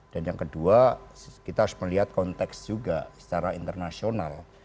dan yang kedua kita harus melihat konteks juga secara internasional